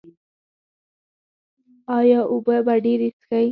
ایا اوبه به ډیرې څښئ؟